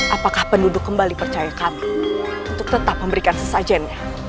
apakah penduduk kembali percaya kami untuk tetap memberikan sesajen